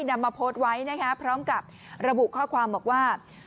นำมาโพสต์ไว้นะคะพร้อมกับระบุข้อความบอกว่า